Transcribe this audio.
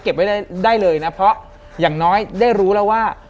ได้เลยนะเพราะอย่างน้อยได้รู้แล้วว่า